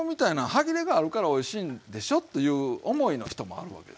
歯切れがあるからおいしいんでしょという思いの人もあるわけですね。